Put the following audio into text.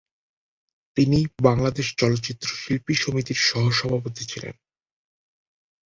তিনি বাংলাদেশ চলচ্চিত্র শিল্পী সমিতির সহ-সভাপতি ছিলেন।